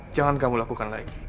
jangan kamu lakukan lagi